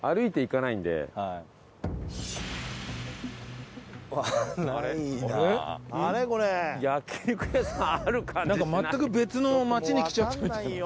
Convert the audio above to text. なんか全く別の町に来ちゃったみたい。